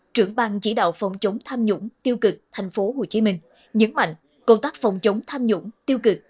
trưởng bang chỉ đạo phòng chống tham nhũng tiêu cực tp hcm nhấn mạnh công tác phòng chống tham nhũng tiêu cực